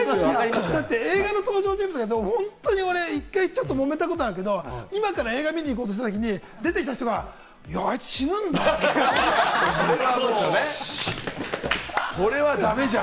映画の登場人物で本当に、一回ちょっと揉めたことあるけれども、今から映画見に行こうとしたときに、出てきた人が、「あいつ死ぬんだ」って。それは駄目じゃん！